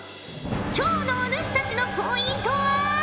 今日のお主たちのポイントは。